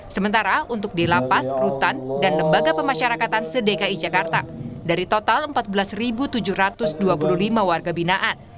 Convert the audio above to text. sementara untuk di lapas rutan dan lembaga pemasyarakatan sedekai jakarta dari total empat belas tujuh ratus dua puluh lima warga binaan